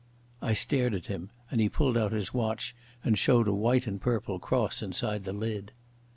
I stared at him, and he pulled out his watch and showed a white and purple cross inside the lid.